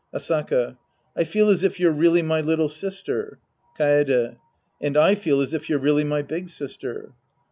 Asaka. I feel as if you're really my little sister. Kaede. And I feel as if you'ie really my big sister.